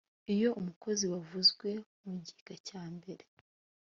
iyo umukozi wavuzwe mu gika cya mbere